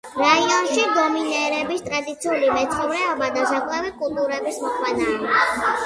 რაიონში დომინირებს ტრადიციული მეცხოველეობა და საკვები კულტურების მოყვანა.